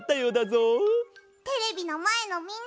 テレビのまえのみんな！